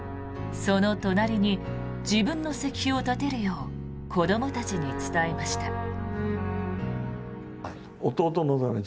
その隣に自分の石碑を建てるよう子どもたちに伝えました。